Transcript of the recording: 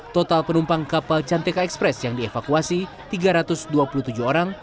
total penumpang kapal cantika express yang dievakuasi tiga ratus dua puluh tujuh orang